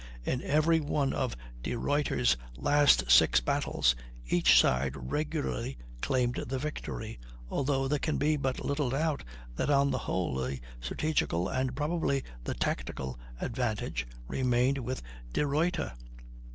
In every one of De Ruyter's last six battles each side regularly claimed the victory, although there can be but little doubt that on the whole the strategical, and probably the tactical, advantage remained with De Ruyter.